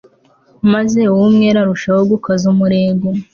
maze uw'umwere arushaho gukaza umurego